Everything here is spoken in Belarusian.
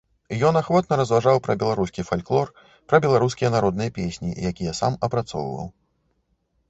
Ён ахвотна разважаў пра беларускі фальклор, пра беларускія народныя песні, якія сам апрацоўваў.